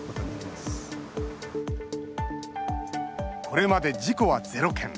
これまで事故は０件。